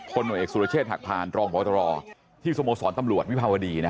ตำรวจเอกสุรเชษฐหักพานรองพบตรที่สโมสรตำรวจวิภาวดี